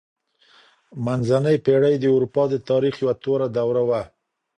منځنۍ پېړۍ د اروپا د تاريخ يوه توره دوره وه.